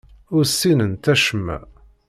Ur ssinent acemma.